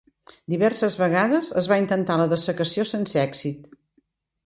Diverses vegades es va intentar la dessecació sense èxit.